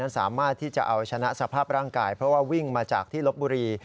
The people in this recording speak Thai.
สามารถที่จะเอาชนะสภาพร่างกายเพราะว่าวิ่งมาจากที่ลบบุรี